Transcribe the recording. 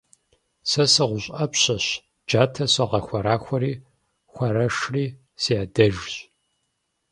Сэ сыгъущӀ Ӏэпщэщ, джатэр согъэхуэрахуэри хуарэшри си Ӏэдэжщ.